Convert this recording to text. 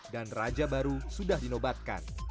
dan raja baru sudah dinobatkan